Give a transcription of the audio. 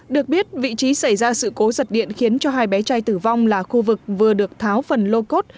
được biết vị trí xảy ra sự cố giật điện khiến cho hai bé trai tử vong là khu vực vừa được tháo phần lô cốt